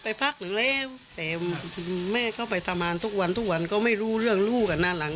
ไปพักเร็วแต่แม่ก็ไปตามหาวันทุกวันทุกวันก็ไม่รู้เรื่องลูกกันหน้าหลัง